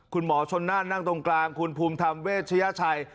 คุณหมอชนน่านนั่งตรงกลางคุณภูมิธรรมเวชยชัย